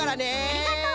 ありがとう！